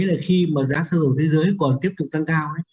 thế là khi mà giá xăng dầu thế giới còn tiếp tục tăng cao